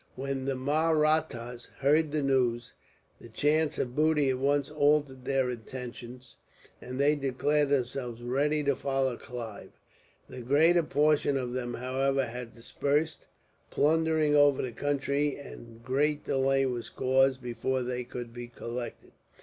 When the Mahrattas heard the news, the chance of booty at once altered their intentions, and they declared themselves ready to follow Clive. The greater portion of them, however, had dispersed, plundering over the country, and great delay was caused before they could be collected.